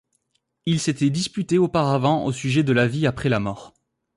Ils s'étaient disputés auparavant au sujet de la vie après la mort.